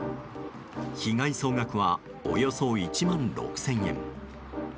被害総額はおよそ１万６０００円。